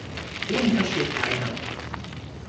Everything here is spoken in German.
Den versteht keiner.